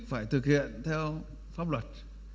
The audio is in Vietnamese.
phải thực hiện theo pháp luật